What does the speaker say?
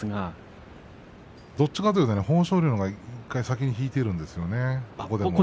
どっちかというと豊昇龍のほうが先に引いているんですよね。